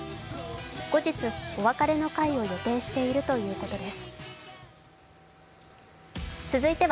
後日、お別れの会を予定しているということです。